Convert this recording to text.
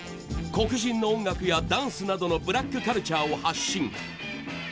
黒人の音楽やダンスなどのブラックカルチャーを発信。